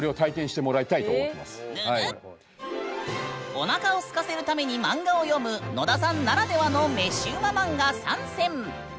おなかをすかせるために漫画を読む野田さんならではの飯ウマ漫画３選！